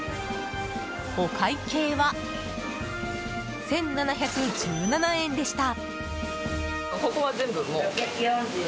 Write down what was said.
お会計は、１７１７円でした。